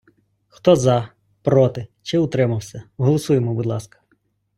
Хто за, проти чи утримався, голосуємо, будь ласка!